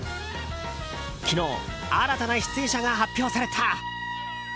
昨日、新たな出演者が発表された。